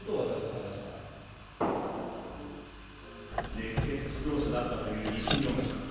熱血指導者だったという石井容疑者。